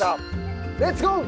レッツゴー！